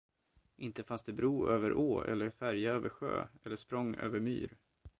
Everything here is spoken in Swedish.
Inte fanns det bro över å eller färja över sjö eller språng över myr.